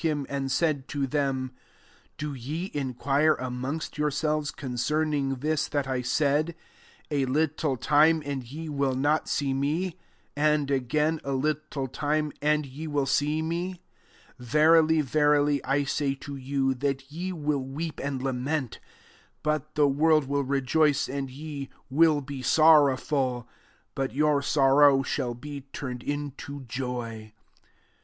him, aoid said to them^ " Do ye inquire amongst yourselves conccming^ this, that I said, * A little timet and ye will not see me: aa<£ again, a little time, and ye will see me V 20 Verily, verily, I say to you, that ye will weep and lament, but the world will rejoice: \and\ ye will be sor rowful, but your sorrow shall be turned into joy.